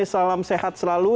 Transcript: salam sehat selalu